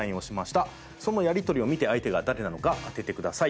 そのやり取りを見て相手が誰なのか当ててください。